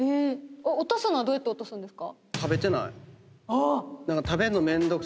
落とすのはどうやって落とすんですか？